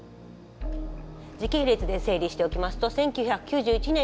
時系列で整理しておきますと１９９１年に湾岸戦争。